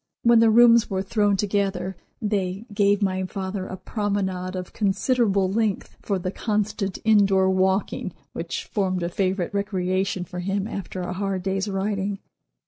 When the rooms were thrown together they gave my father a promenade of considerable length for the constant indoor walking which formed a favorite recreation for him after a hard day's writing.